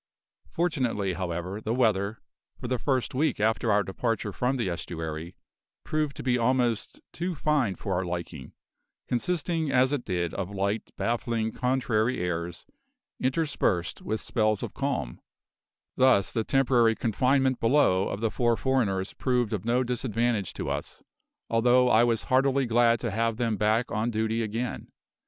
Fortunately, however, the weather, for the first week after our departure from the estuary, proved to be almost too fine for our liking, consisting as it did of light, baffling contrary airs, interspersed with spells of calm; thus the temporary confinement below of the four foreigners proved of no disadvantage to us, although I was heartily glad to have them back on duty again.